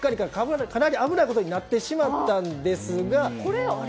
かなり危ないことになってしまったんですが。